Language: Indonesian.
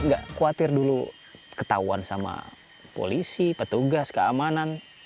ini nggak khawatir dulu ketahuan sama polisi petugas keamanan